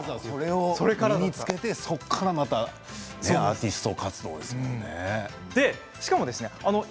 まずはそれを身につけてそこからまたアーティスト活動ですものね。